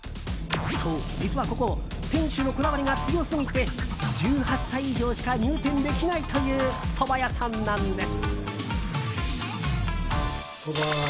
そう、実はここ店主のこだわりが強すぎて１８歳以上しか入店できないというそば屋さんなんです。